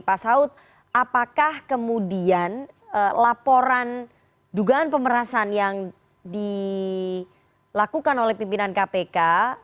pak saud apakah kemudian laporan dugaan pemerasan yang dilakukan oleh pimpinan kpk